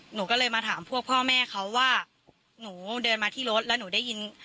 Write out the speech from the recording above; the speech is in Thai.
หนูก็เลยมาถามพวกพ่อแม่เขาว่าหนูเดินมาที่รถแล้วหนูได้ยิน